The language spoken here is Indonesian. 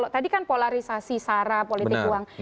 tadi kan polarisasi sara politik uang